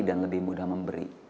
dan lebih mudah memberi